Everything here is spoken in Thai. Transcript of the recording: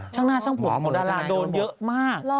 ช่างหน้าตาลาโดนเยอะมาก